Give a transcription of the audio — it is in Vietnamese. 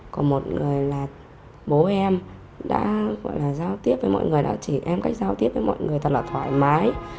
còn một người là bố em đã gọi là giao tiếp với mọi người đã chỉ em cách giao tiếp với mọi người thật là thoải mái